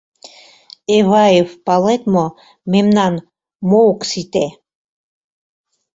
Эваев, палет мо, мемнан мо ок сите?